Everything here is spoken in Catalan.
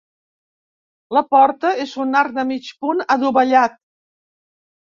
La porta és un arc de mig punt adovellat.